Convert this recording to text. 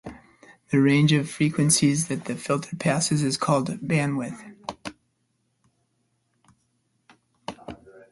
The range of frequencies that the filter passes is called its bandwidth.